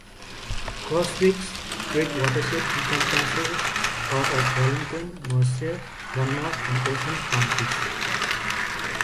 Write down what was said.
Crosswicks Creek watershed encompasses parts of Burlington, Mercer, Monmouth and Ocean Counties.